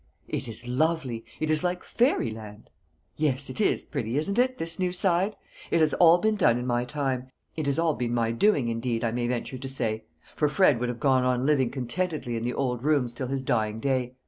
"It is lovely it is like fairyland." "Yes, it is pretty, isn't it, this new side? It has all been done in my time it has all been my doing, indeed, I may venture to say; for Fred would have gone on living contentedly in the old rooms till his dying day.